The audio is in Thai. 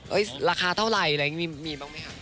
ราคาเท่าไหร่อะไรอย่างนี้มีบ้างไหมคะ